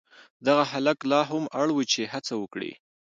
دغه هلک لا هم اړ و چې هڅه وکړي.